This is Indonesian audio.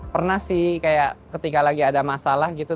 pernah sih kayak ketika lagi ada masalah gitu